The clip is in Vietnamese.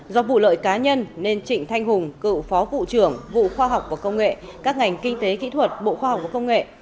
do vụ lợi cá nhân nên trịnh thanh hùng cựu phó vụ trưởng vụ khoa học và công nghệ các ngành kinh tế kỹ thuật bộ khoa học và công nghệ